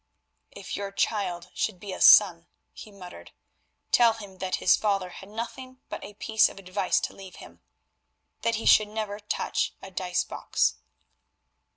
"If your child should be a son," he muttered, "tell him that his father had nothing but a piece of advice to leave him; that he should never touch a dice box."